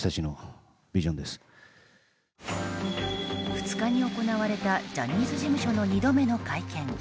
２日に行われたジャニーズ事務所の２度目の会見。